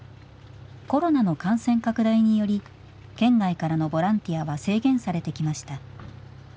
コロナの感染拡大により県外からのボランティアは制限されてきました。